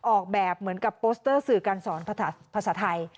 ออกแบบเหมือนกับโปสเตอร์สื่อการสอนภาษาไทย